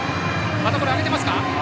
また上げていますか？